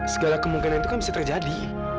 segala kemungkinan itu kan bisa terjadi